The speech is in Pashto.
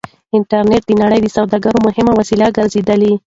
انټرنټ د نړۍ د سوداګرۍ مهمه وسيله ګرځېدلې ده.